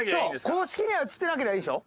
公式には映ってなけりゃいいんでしょ？